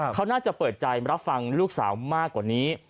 เขาน่าจะเปิดใจรับฟังลูกสาวมากกว่านี้